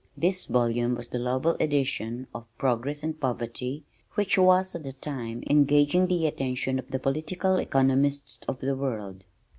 This volume was the Lovell edition of Progress and Poverty which was at that time engaging the attention of the political economists of the world.